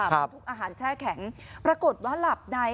คุณผู้อาหารแช่แข็งปรากฏว่าหลับใด